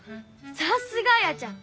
さすがあやちゃん！